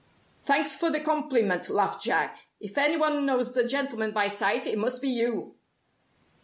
"Thanks for the compliment," laughed Jack. "If any one knows the gentleman by sight, it must be you!"